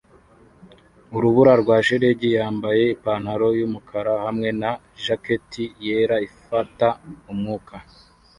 Urubura rwa shelegi yambaye ipantaro yumukara hamwe na jacket yera ifata umwuka